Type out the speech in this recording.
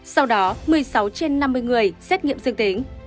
sau đó một mươi sáu trên năm mươi người xét nghiệm dương tính